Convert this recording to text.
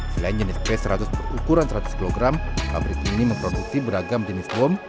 selain jenis p seratus berukuran seratus kg pabrik ini memproduksi beragam jenis bom